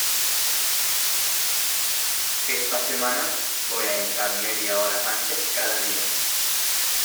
Esta semana voy a entrar media hora antes cada día.